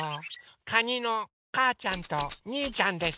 かにのかーちゃんとにーちゃんです。